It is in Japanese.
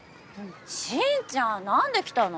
進ちゃんなんで来たの？